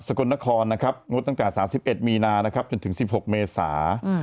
กลนครนะครับงดตั้งแต่๓๑มีนานะครับจนถึง๑๖เมษา